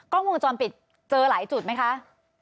กรุงทรอนปิตเจอหลายจุดไหมคะ